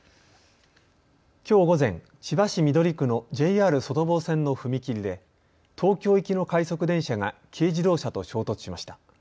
きょう午前、千葉市緑区のＪＲ外房線の踏切で東京行きの快速電車が軽自動車と衝突しました。